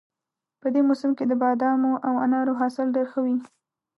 په دې موسم کې د بادامو او انارو حاصل ډېر ښه وي